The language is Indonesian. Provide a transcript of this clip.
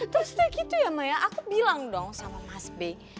terus dia gitu ya ma ya aku bilang dong sama mas ben